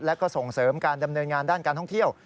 และก็ส่งเสริมการดำเนินงานด้านการท่องเที่ยว